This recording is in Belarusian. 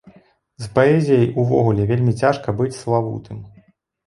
З паэзіяй увогуле вельмі цяжка быць славутым.